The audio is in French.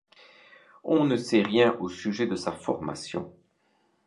On ne sait rien au sujet de sa formation.